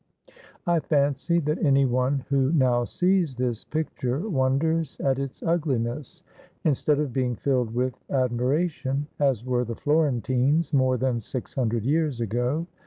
I fancy that any one who now sees this picture won ders at its ugliness, instead of being filled with admira tion, as were the Florentines more than six hundred years ago.